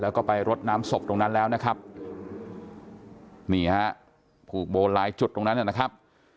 แล้วก็ไปรดน้ำศพตรงนั้นแล้วนะครับนี่ฮะผูกโบนหลายจุดตรงนั้นนะครับ